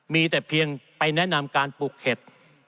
มีแต่เพียงไปแนะนำการปลูกเห็ด